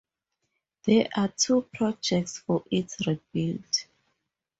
There are two projects for its rebuilt.